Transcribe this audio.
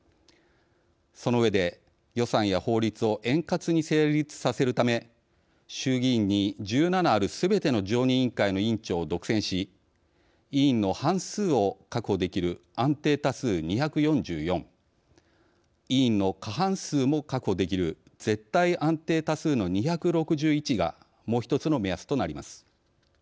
その上で予算や法律を円滑に成立させるため衆議院に１７あるすべての常任委員会の委員長を独占し委員の半数を確保できる安定多数２４４委員の過半数も確保できる絶対安定多数の２６１がもう１つの目安となります。